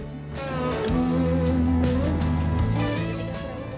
ketika perahu mulai terbang saya akan menemukan perahu yang berbeda